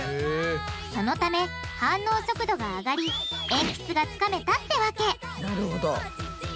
そのため反応速度が上がりえんぴつがつかめたってわけなるほど。